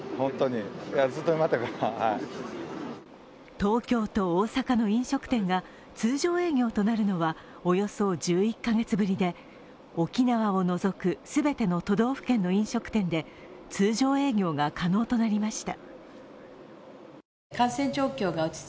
東京と大阪の飲食店が通常営業となるのはおよそ１１カ月ぶりで沖縄を除く全ての都道府県の飲食店で通常営業が可能となりました。